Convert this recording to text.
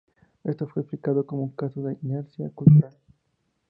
Esto fue explicado como un caso de inercia cultural.